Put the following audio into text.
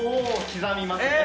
刻みますね。